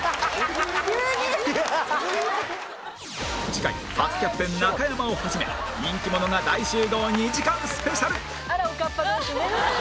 次回初キャプテン中山を始め人気者が大集合２時間スペシャル！あらおかっぱ同士ね。